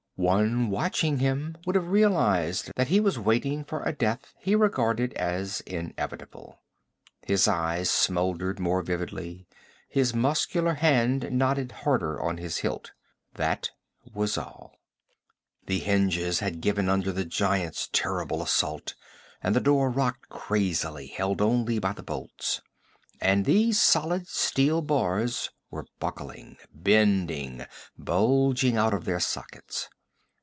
One watching him would have realized that he was waiting for a death he regarded as inevitable. His eyes smoldered more vividly; his muscular hand knotted harder on his hilt; that was all. The hinges had given under the giant's terrible assault and the door rocked crazily, held only by the bolts. And these solid steel bars were buckling, bending, bulging out of their sockets.